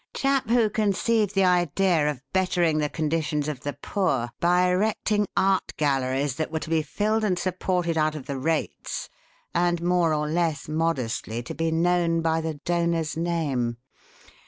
Chap who conceived the idea of bettering the conditions of the poor by erecting art galleries that were to be filled and supported out of the rates and, more or less modestly, to be known by the donor's name.